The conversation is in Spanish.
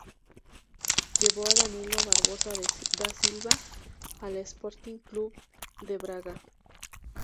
Llevó a Danilo Barbosa da Silva al Sporting Clube de Braga.